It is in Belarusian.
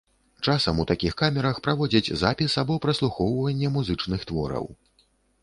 Часам у такіх камерах праводзяць запіс або праслухоўванне музычных твораў.